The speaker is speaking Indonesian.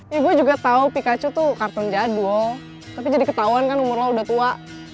ya gue juga tau pikachu tuh kartun jadwal tapi jadi ketauan kan umur lo udah tua